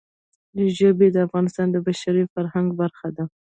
ژبې د افغانستان د بشري فرهنګ برخه ده.